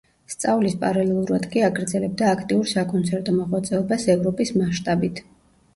სწავლის პარალელურად კი აგრძელებდა აქტიურ საკონცერტო მოღვაწეობას ევროპის მასშტაბით.